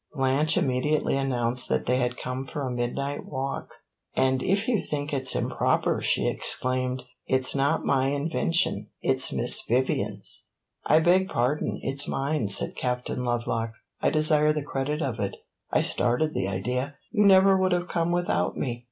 Blanche immediately announced that they had come for a midnight walk. "And if you think it 's improper," she exclaimed, "it 's not my invention it 's Miss Vivian's." "I beg pardon it 's mine," said Captain Lovelock. "I desire the credit of it. I started the idea; you never would have come without me."